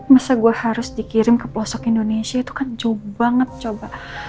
masa gue harus dikirim ke pelosok indonesia itu kan coba banget coba